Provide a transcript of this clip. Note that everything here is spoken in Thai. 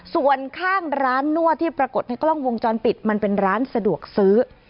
ส่วนข้างร้านนวดที่ปรากฏในกล้องวงจรปิดมันเป็นร้านสะดวกซื้อ